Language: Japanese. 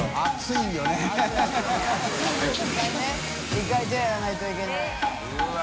１回手洗わないといけないえっ。